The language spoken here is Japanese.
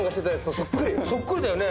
そっくりだよね。